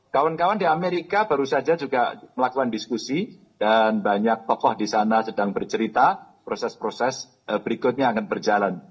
kawan kawan di amerika baru saja juga melakukan diskusi dan banyak tokoh di sana sedang bercerita proses proses berikutnya akan berjalan